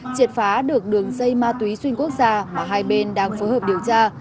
triệt phá được đường dây ma túy xuyên quốc gia mà hai bên đang phối hợp điều tra